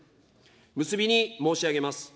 結びに申し上げます。